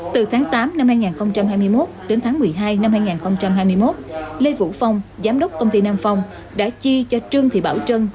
từ tháng tám năm hai nghìn hai mươi một đến tháng một mươi hai năm hai nghìn hai mươi một lê vũ phong giám đốc công ty nam phong đã chi cho trương thị bảo trân